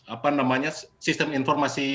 apa namanya sistem informasi